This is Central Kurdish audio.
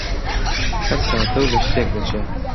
هەر ساتە و لە شتێک دەچێ: